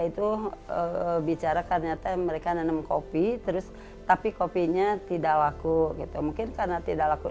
itu bicara ternyata mereka nanam kopi terus tapi kopinya tidak laku gitu mungkin karena tidak laku